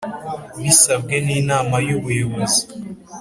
bisabwe n’Inama y’ubuyobozi